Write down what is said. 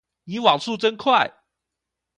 你網速真快